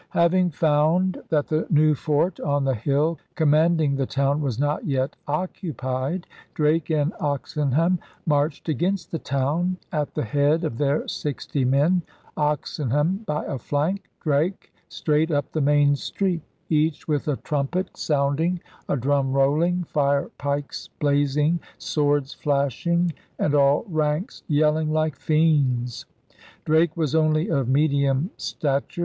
Hav ing found that the new fort on the hill command ing the town was not yet occupied, Drake and Oxenham marched against the town at the head of their sixty men, Oxenham by a flank, Drake straight up the main street, each with a trumpet sounding, a drum rolling, fire pikes blazing, swords flashing, and all ranks yelling like fiends. Drake was only of medium stature.